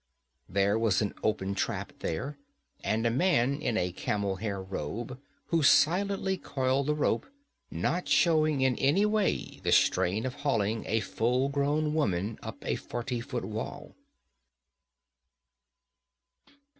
There was an open trap there, and a man in a camel hair robe who silently coiled the rope, not showing in any way the strain of hauling a full grown woman up a forty foot wall.